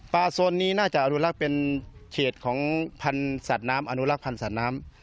พาโซนนี้น่าจะอนุรักษ์เป็นเขตของพันธุ์สัตว์น้ำ